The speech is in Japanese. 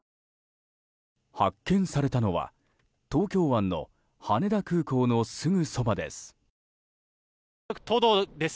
発見されたのは東京湾の羽田空港のすぐそばです。